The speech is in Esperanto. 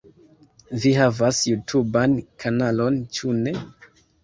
Vi havas jutuban kanalon ĉu ne?